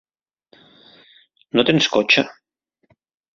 No tens cotxe.